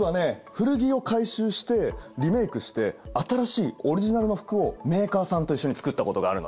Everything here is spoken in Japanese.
古着を回収してリメークして新しいオリジナルの服をメーカーさんと一緒に作ったことがあるのよ。